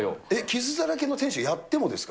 傷だらけの天使をやってもですか？